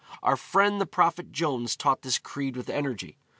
Our friend the Prophet Jones taught this creed with energy.